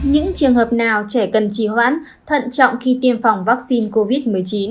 những trường hợp nào trẻ cần trì hoãn thận trọng khi tiêm phòng vaccine covid một mươi chín